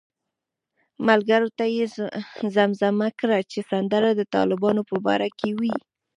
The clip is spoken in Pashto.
ملګرو ته یې زمزمه کړه چې سندره د طالبانو په باره کې وه.